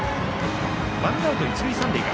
ワンアウト一塁三塁。